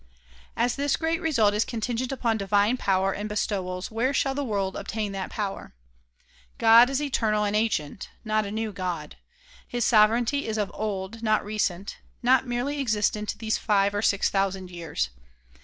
As this great result is contingent upon divine power and bestow als, where shall the world obtain that power? God is eternal and ancient ; not a new God. His sovereignty is of old, not recent ; not merely existent these five or six thousand years.